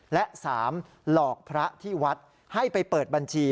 และ๓หลอกพระที่วัดให้ไปเปิดบัญชี